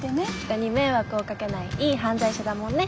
人に迷惑をかけないいい犯罪者だもんね